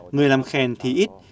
người làm khen thì ít